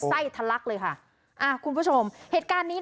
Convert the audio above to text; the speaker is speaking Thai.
ไส้ทะลักเลยค่ะอ่าคุณผู้ชมเหตุการณ์นี้